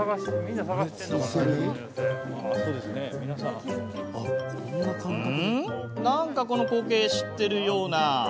うーん、なんかこの光景知ってるような。